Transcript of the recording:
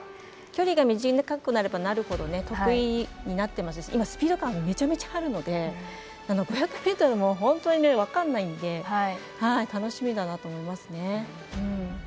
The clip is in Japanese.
距離が短くなればなるほど得意になっていて今スピード感がめちゃめちゃあるので５００ｍも本当に分からないので楽しみだなと思いますね。